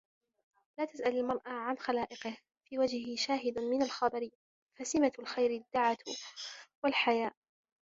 لَا تَسْأَلْ الْمَرْءَ عَنْ خَلَائِقِهِ فِي وَجْهِهِ شَاهِدٌ مِنْ الْخَبَرِ فَسِمَةُ الْخَيْرِ الدَّعَةُ وَالْحَيَاءُ